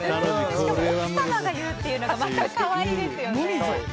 しかも奥様が言うっていうのがまた可愛いですよね。